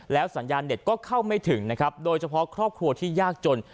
สัญญาณเด็ดก็เข้าไม่ถึงนะครับโดยเฉพาะครอบครัวที่ยากจน